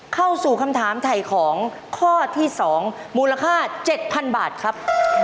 เข้าสู่คำถามถ่ายของข้อที่๒มูลค่า๗๐๐บาทครับ